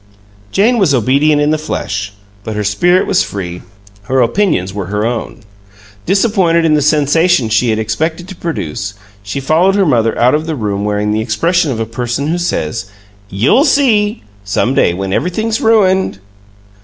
Jane was obedient in the flesh, but her spirit was free; her opinions were her own. Disappointed in the sensation she had expected to produce, she followed her mother out of the room wearing the expression of a person who says, "You'll SEE some day when everything's ruined!"